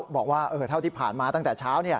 บอกว่าเท่าที่ผ่านมาตั้งแต่เช้า